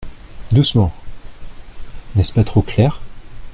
Doucement ! n’est-ce pas trop clair ?